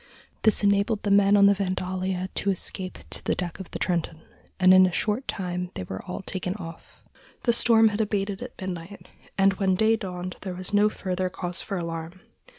This enabled the men on the Vandalia to escape to the deck of the Trenton, and in a short time they were all taken off. The storm had abated at midnight, and when day dawned there was no further cause for alarm.